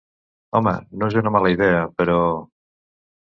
Home, no és una mala idea, però...